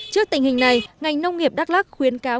trước tình hình này ngành nông nghiệp đắk lắc khuyến cáo